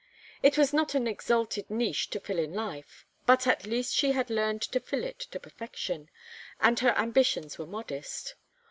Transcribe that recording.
It was not an exalted niche to fill in life, but at least she had learned to fill it to perfection, and her ambitions were modest.